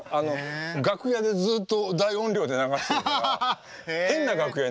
楽屋でずっと大音量で流してるから変な楽屋になってるのよ。